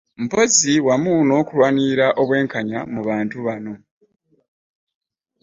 Mpozzi wamu n'okulwanirira obwenkanya mu bantu bano.